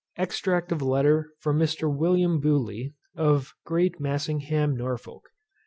_Extract of a Letter from Mr. WILLIAM BEWLEY, of GREAT MASSINGHAM, NORFOLK.